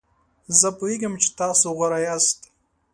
زه پوهیږم چې تاسو غوره یاست.